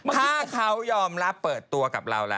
ถ้าเขายอมรับเปิดตัวกับเราล่ะ